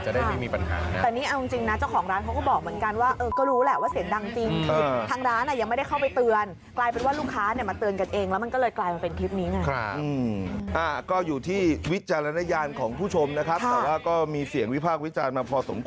จะได้ไม่มีปัญหานะครับ